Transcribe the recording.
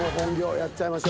やっちゃいましょう。